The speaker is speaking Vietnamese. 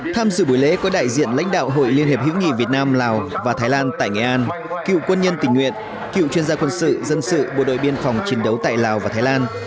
tham dự buổi lễ có đại diện lãnh đạo hội liên hiệp hữu nghị việt nam lào và thái lan tại nghệ an cựu quân nhân tình nguyện cựu chuyên gia quân sự dân sự bộ đội biên phòng chiến đấu tại lào và thái lan